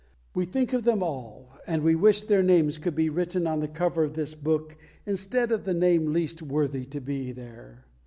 We think of them all, and we wish their names could be written on the cover of this book instead of the name least worthy to be there.